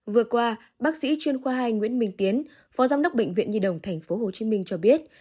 vừa qua bác sĩ chuyên khoa hai nguyễn minh tiến phó giám đốc bệnh viện nhi đồng tp hcm cho biết